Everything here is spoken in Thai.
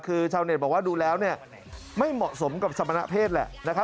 คือชาวเน็ตบอกว่าดูแล้วไม่เหมาะสมกับสมณเพศแหละ